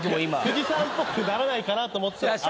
富士山っぽくならないかなと思って青く。